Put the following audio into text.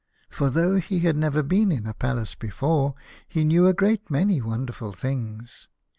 For thounh he had never been in <_> a palace before, he knew a great many won derful things.